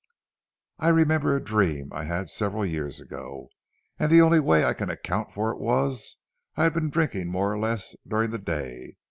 "I remember a dream I had several years ago, and the only way I can account for it was, I had been drinking more or less during the day.